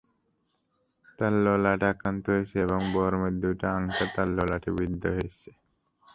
তাঁর ললাট আক্রান্ত হয়েছে এবং বর্মের দুটি আংটা তার ললাটে বিদ্ধ হয়েছে।